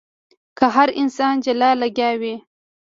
که هر انسان جلا لګيا وي.